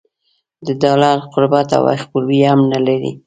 د ډالر قربت او خپلوي هم نه لري.